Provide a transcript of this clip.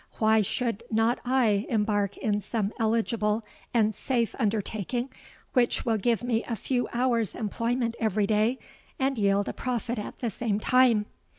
Why should not I embark in some eligible and safe undertaking which will give me a few hours' employment every day and yield a profit at the same time?'